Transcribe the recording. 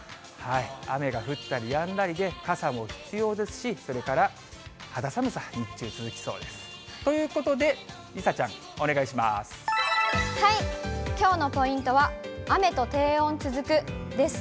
雨が降ったりやんだりで、傘も必要ですし、それから肌寒さ、日中、続きそうです。ということで、梨紗ちゃん、きょうのポイントは、雨と低温続くです。